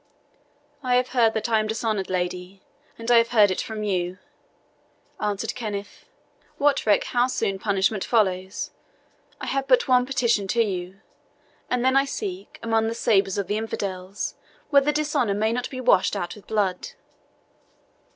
"I have heard that I am dishonoured, lady, and I have heard it from you," answered Kenneth. "What reck I how soon punishment follows? I have but one petition to you; and then I seek, among the sabres of the infidels, whether dishonour may not be washed out with blood."